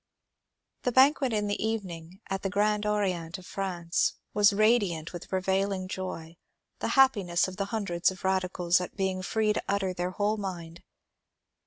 The banquet in the evening at the Orand Orient of France was radiant with the prevailing joy, the happiness of the hun dreds of radicals at being free to utter their whole mind.